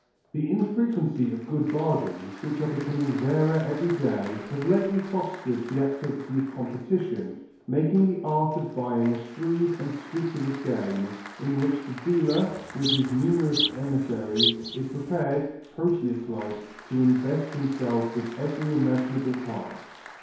The infrequency of good bargains, which are becoming rarer every day, has lately fostered the activity of competition, making the art of buying a shrewd, unscrupulous game, in which the dealer, with his numerous emissaries, is prepared, Proteus like, to invest himself with every imaginable part.